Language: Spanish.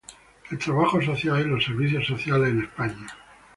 El trabajo social en los servicios sociales en España.